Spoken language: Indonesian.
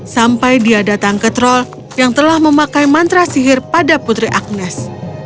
sampai dia datang ke troll yang telah memakai mantra sihir pada putri agnes